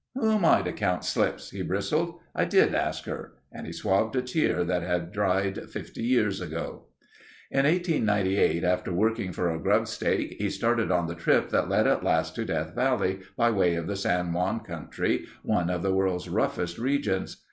"Who am I to count slips?" he bristled. "I did ask her," and he swabbed a tear that had dried fifty years ago. In 1898, after working for a grubstake he started on the trip that led at last to Death Valley, by way of the San Juan country—one of the world's roughest regions.